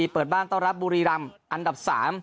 เปิดบ้านต้อนรับบุรีรำอันดับ๓